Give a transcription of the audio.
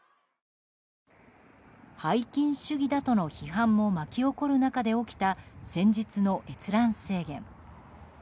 拝金主義だとの批判も巻き起こる中で起きた先日の閲覧制限。